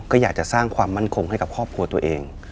ก็อยากจะสร้างความมั่นคงให้กับครอบครัวตัวเอง